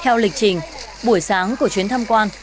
theo lịch trình buổi sáng của chuyến thăm quan